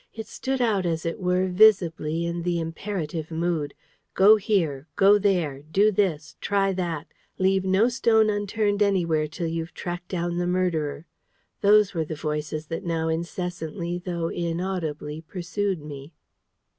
It stood out, as it were, visibly in the imperative mood: "go here;" "go there;" "do this;" "try that;" "leave no stone unturned anywhere till you've tracked down the murderer!" Those were the voices that now incessantly though inaudibly pursued me.